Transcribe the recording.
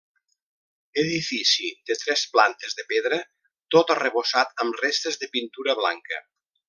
Edifici de tres plantes de pedra, tot arrebossat amb restes de pintura blanca.